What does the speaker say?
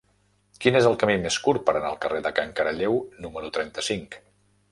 Quin és el camí més curt per anar al carrer de Can Caralleu número trenta-cinc?